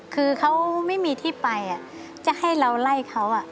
คือเขาไม่มีที่ไปจะให้เราไล่เขา